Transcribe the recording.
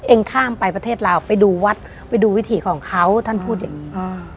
เองข้ามไปประเทศลาวไปดูวัดไปดูวิถีของเขาท่านพูดอย่างงี้อ่า